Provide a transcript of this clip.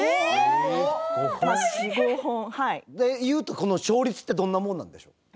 いうとこの勝率ってどんなもんなんでしょう？